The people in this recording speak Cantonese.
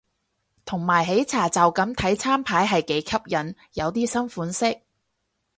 同埋喜茶就咁睇餐牌係幾吸引，有啲新款式